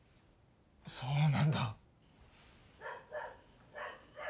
そうなんだ。